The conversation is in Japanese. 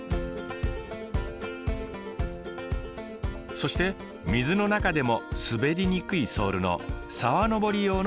そして水の中でも滑りにくいソールの沢登り用の靴です。